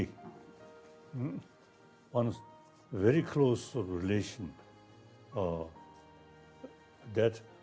ada hubungan yang sangat dekat